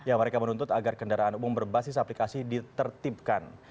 ya mereka menuntut agar kendaraan umum berbasis aplikasi ditertibkan